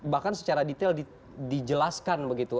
bahkan secara detail dijelaskan